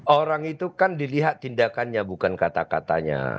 orang itu kan dilihat tindakannya bukan kata katanya